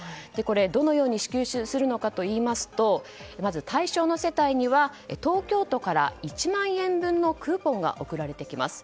どのように支給するのかといいますとまず対象の世帯には東京都から１万円分のクーポンが送られてきます。